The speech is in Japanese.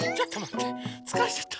つかれちゃった。